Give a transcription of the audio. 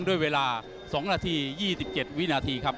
ด้วยเวลาสองนาทีหยี่สิบเจ็ดวินาทีครับ